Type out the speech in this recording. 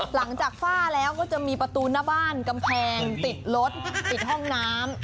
ฝ้าแล้วก็จะมีประตูหน้าบ้านกำแพงติดรถติดห้องน้ำ